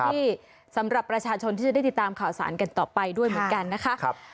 ที่สำหรับประชาชนที่จะได้ติดตามข่าวสารกันต่อไปด้วยเหมือนกันนะคะ